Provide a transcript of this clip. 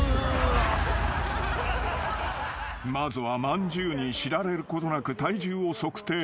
［まずはまんじゅうに知られることなく体重を測定］